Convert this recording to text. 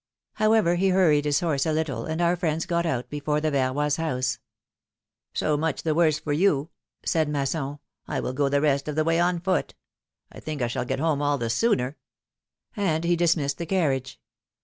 However, he hurried his horse a little, and our friends got out before the Verroys' house. So much the worse for you," said Masson, I will go the rest of the way on foot. I think I shall get home all the sooner," and he dismissed the carriage.